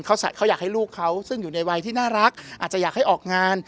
เขาอยากให้ลูกเขาซึ่งอยู่ในวัยที่น่ารักอาจจะอยากให้ออกงาน